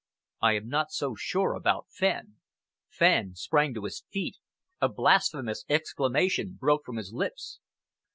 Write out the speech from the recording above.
I am not so sure about Fenn." Fenn sprang to his feet, a blasphemous exclamation broke from his lips.